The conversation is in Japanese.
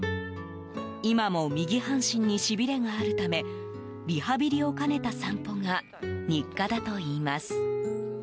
今も、右半身にしびれがあるためリハビリを兼ねた散歩が日課だといいます。